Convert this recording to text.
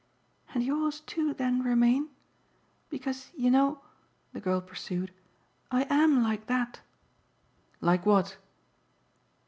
"And yours too then remain? Because, you know," the girl pursued, "I AM like that." "Like what?"